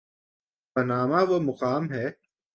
Panama وہ مقام ہے۔